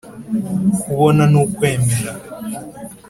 kubona ni ukwemera